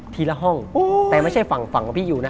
ละห้องแต่ไม่ใช่ฝั่งฝั่งของพี่อยู่นะ